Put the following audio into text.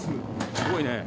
すごいね。